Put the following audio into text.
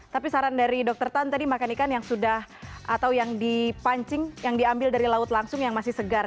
tapi saran dari dokter tan tadi makan ikan yang sudah atau yang dipancing yang diambil dari laut langsung yang masih segar